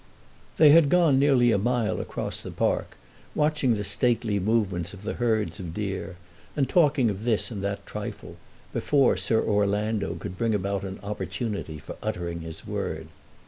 They had gone nearly a mile across the park, watching the stately movements of the herds of deer, and talking of this and that trifle, before Sir Orlando could bring about an opportunity for uttering his word.